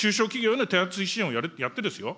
中小企業に手厚い支援をやってですよ。